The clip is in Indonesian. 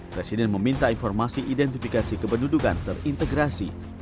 presiden meminta informasi identifikasi kependudukan terintegrasi